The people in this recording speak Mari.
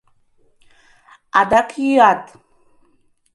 Адак йӱат?